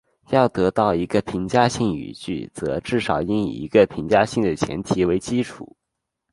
要得出一个评价性语句则至少应以一个评价性的前提为基础。